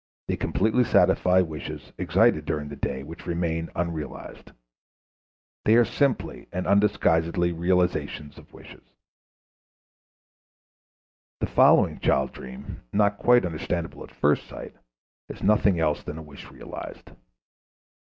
They completely satisfy wishes excited during the day which remain unrealized. They are simply and undisguisedly realizations of wishes. The following child dream, not quite understandable at first sight, is nothing else than a wish realized.